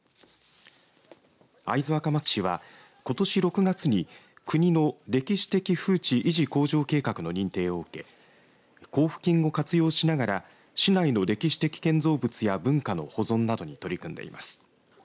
会津若松市は、ことし６月に国の歴史的風致維持向上計画の認定を受け交付金を活用しながら市内の歴史的建造物や文化の保存などに取り組んでいます。